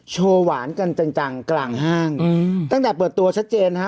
โชว์หวานกันจังกลางห้างตั้งแต่เปิดตัวชัดเจนฮะ